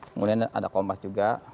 kemudian ada kompas juga